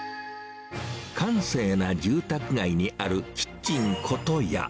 閑静な住宅街にあるキッチンことや。